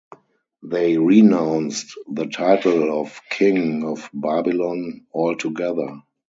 They renounced the title of king of Babylon altogether.